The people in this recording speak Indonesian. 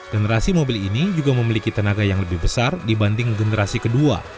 generasi mobil ini juga memiliki tenaga yang lebih besar dibanding generasi kedua